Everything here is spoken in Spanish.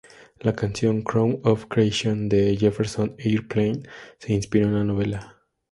La canción Crown of Creation de Jefferson Airplane se inspiró en la novela.